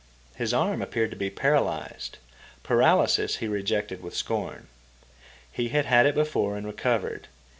His arm appeared to be paralysed. Paralysis he rejected with scorn. He had had it before, and recovered.